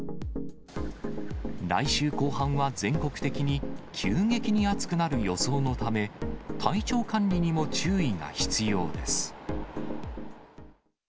来週後半は全国的に急激に暑くなる予想のため、体調管理にも注意が必要です。